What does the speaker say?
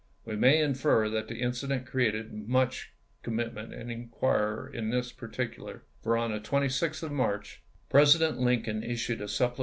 We may infer that the incident created much com ment and inquiry in this particular; for on the 26th of March President Lincoln issued a supple isei.